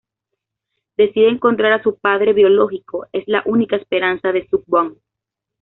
Decide encontrar a su padre biológico es la única esperanza de Suk Bong.